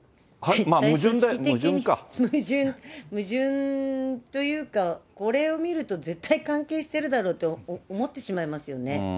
組織的に、矛盾というか、これを見ると、絶対関係してるだろうと思ってしまいますよね。